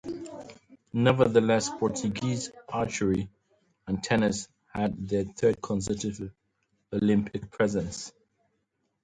Nevertheless, Portuguese archery and tennis had their third consecutive Olympic presence.